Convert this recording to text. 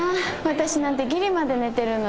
私なんてギリまで寝てるのに。